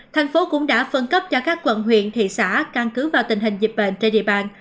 thành phố cũng đã phân cấp cho các quận huyện thị xã căn cứ vào tình hình dịch bệnh trên địa bàn